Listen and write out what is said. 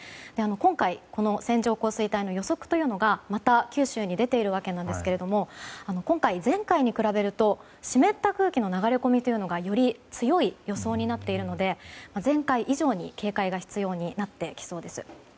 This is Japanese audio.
今回、線状降水帯の予測がまた九州に出ているわけですけども今回、前回に比べると湿った空気の流れ込みがより強い予想になっているので前回以上に警戒が必要になってきそうです。